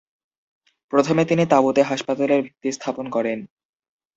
প্রথমে তিনি তাঁবুতে হাসপাতালের ভিত্তি স্থাপন করেন।